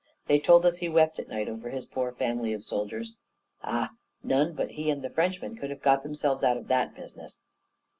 They told us he wept at night over his poor family of soldiers. Ah! none but he and Frenchmen could have got themselves out of that business.